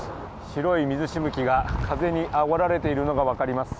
白い水しぶきが風にあおられているのが分かります。